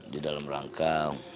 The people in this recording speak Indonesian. di dalam rangka